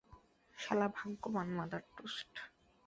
শালা ভাগ্যবান মাদারটোস্ট।